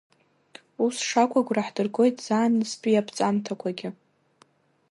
Ус шакәу агәра ҳдыргоит заанаҵтәи иаԥҵамҭақәагьы.